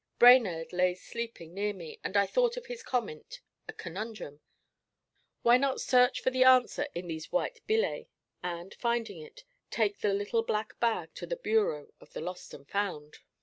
Brainerd lay sleeping near me, and I thought of his comment, 'A conundrum?' Why not search for the answer in these white billets, and, finding it, take the little black bag to the bureau of the 'lost or found'?